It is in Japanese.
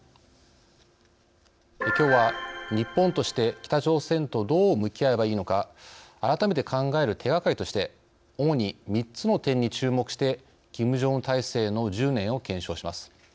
きょうは、日本として北朝鮮とどう向き合えばいいのか改めて考える手がかりとして主に３つの点に注目してキム・ジョンウン体制の１０年を検証します。